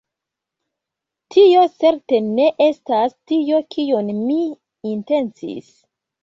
Tio certe ne estas tio kion mi intencis!